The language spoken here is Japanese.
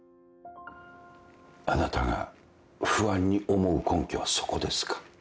あなたが不安に思う根拠はそこですか？